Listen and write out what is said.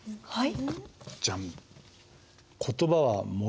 はい！